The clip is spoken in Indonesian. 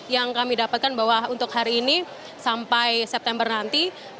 yang kami dapatkan bahwa untuk hari ini sampai september nanti